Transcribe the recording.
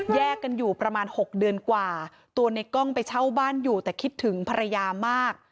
แยกกันอยู่ประมาณ๖เดือนกว่าตัวในกล้องไปเช่าบ้านอยู่แต่คิดถึงภรรยามาก